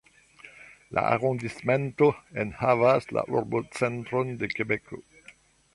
La arondismento enhavas la urbocentron de Kebeko.